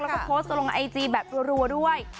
แล้วก็โพสต์ลงไอจีแบบรัวด้วย